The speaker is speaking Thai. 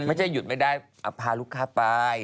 ไม่ใช่หยุดไม่ได้พาลูกค้าไป